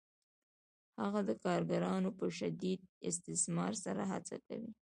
هغه د کارګرانو په شدید استثمار سره هڅه کوي